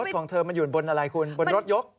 ของเธอมันอยู่บนอะไรคุณบนรถยก